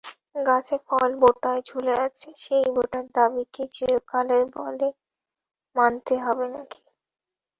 গাছে ফল বোঁটায় ঝুলে আছে, সেই বোঁটার দাবিকেই চিরকালের বলে মানতে হবে নাকি!